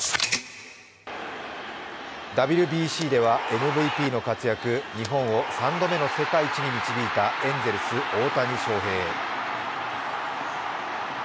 ＷＢＣではＭＶＰの活躍、日本を３度目の世界一に導いたエンゼルス・大谷翔平。